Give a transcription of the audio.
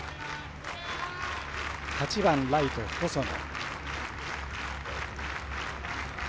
８番、ライト、細野。